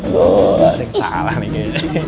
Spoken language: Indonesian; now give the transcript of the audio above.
salah nih kayaknya